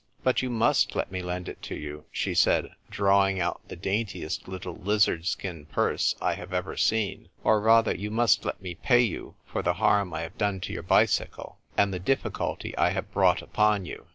" But you must let me lend it to you," she said, drawing out the daintiest little lizard skin purse I have ever seen ;" or, rather, you must let me pay you for the harm I have done to your bicycle, and the difficulty I have brought upon you.